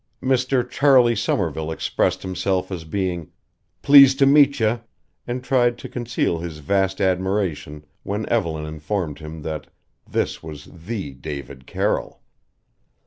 Mr. Charley Somerville expressed himself as being "Pleaset'meetcha" and tried to conceal his vast admiration when Evelyn informed him that this was the David Carroll.